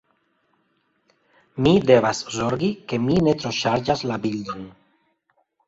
Mi devas zorgi, ke mi ne troŝarĝas la bildon.